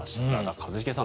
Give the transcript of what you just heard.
一茂さん